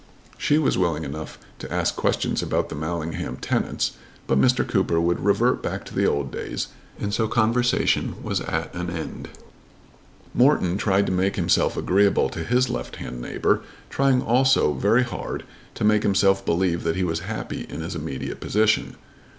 She was willing enough to ask questions about the Mallingham tenants; but Mr. Cooper would revert back to the old days, and so conversation was at an end. Morton tried to make himself agreeable to his left hand neighbour, trying also very hard to make himself believe that he was happy in his immediate position.